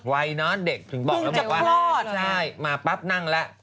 ไว้นอนเด็กพึ่งบอกแล้วว่าใช่มาปั๊บนั่งแล้ว